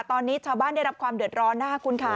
ตอนนี้ชาวบ้านได้รับความเดือดร้อนนะคุณค่ะ